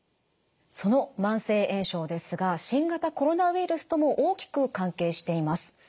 その慢性炎症ですが新型コロナウイルスとも大きく関係しています。